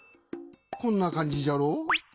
こんな感じじゃろ。